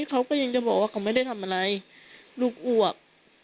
เขาก็ยังจะบอกว่าเขาไม่ได้ทำอะไรลูกอวก